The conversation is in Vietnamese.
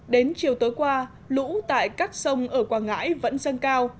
đến chiều tối qua lũ tại các sông ở quảng ngãi vẫn dâng cao